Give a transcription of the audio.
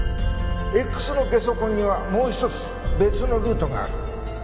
Ｘのゲソ痕にはもう一つ別のルートがある。